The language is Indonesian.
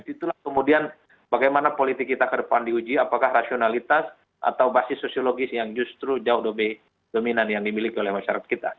itulah kemudian bagaimana politik kita ke depan diuji apakah rasionalitas atau basis sosiologis yang justru jauh lebih dominan yang dimiliki oleh masyarakat kita